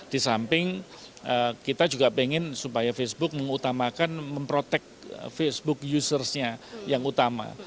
di samping kita juga ingin supaya facebook mengutamakan memprotek facebook users nya yang utama